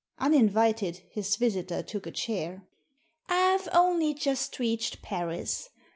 Uninvited, his visitor took a chair. " I've only just reached Paris.